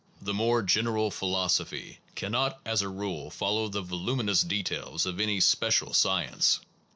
The more general philosophy cannot as a rule follow the voluminous details of any special science.